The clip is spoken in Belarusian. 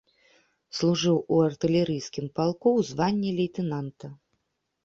Служыў у артылерыйскім палку ў званні лейтэнанта.